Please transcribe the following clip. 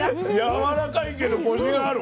やわらかいけどコシがある。